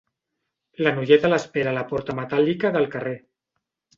La noieta l'espera a la porta metàl·lica del carrer.